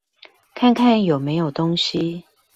看看有沒有東西